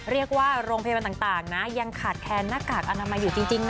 เรียกว่าโรงเพศมันต่างยังขาดแทนน้ากากอนามัยอยู่จริงน่ะ